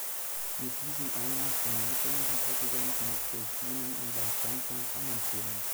Mit diesen Eingangsbemerkungen, Herr Präsident, möchte ich Ihnen unseren Standpunkt anempfehlen.